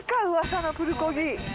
うわさのプルコギ！